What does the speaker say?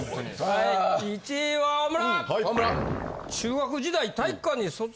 はい１位は大村。